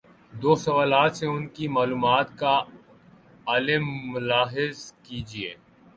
دو سوالات سے ان کی معلومات کا عالم ملاحظہ کیجیے۔